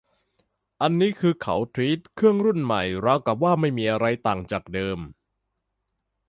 อันนี้คือเขาทรีตเครื่องรุ่นใหม่ราวกับว่ามันไม่มีอะไรต่างจากเดิม